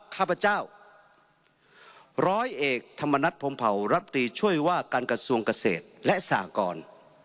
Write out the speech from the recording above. ข้าพเจ้าร้อยเอกธรรมนัฐพรมเผารัฐตรีช่วยว่าการกระทรวงเกษตรและสหกร